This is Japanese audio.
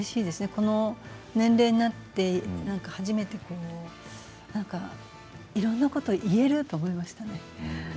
この年齢になって初めてなんかいろんなことが言えると思いましたね。